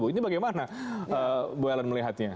ini bagaimana bu ellen melihatnya